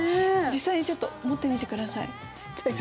実際にちょっと持ってみてください。